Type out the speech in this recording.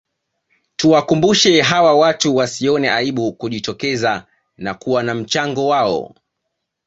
Tuwakumbushe hawa watu wasione aibu kujitokeza na kuwa na mchango wao